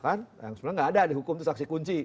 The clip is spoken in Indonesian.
kan yang sebenarnya nggak ada di hukum itu saksi kunci